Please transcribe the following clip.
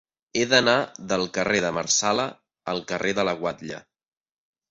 He d'anar del carrer de Marsala al carrer de la Guatlla.